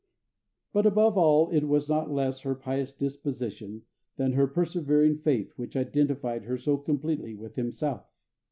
But above all, it was not less her pious disposition than her persevering faith which identified her so completely with himself!